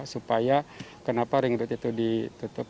supaya kenapa ringgit itu ditutup